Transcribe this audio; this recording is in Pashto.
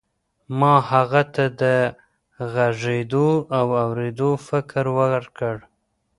ما هغه ته د غږېدو او اورېدو فکر ورکړ.